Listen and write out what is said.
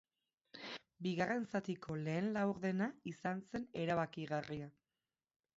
Bigarren zatiko lehen laurdena izan zen erabakigarria.